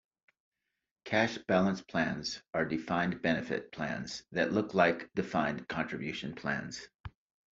Cash balance plans are defined-benefit plans that look like defined-contribution plans.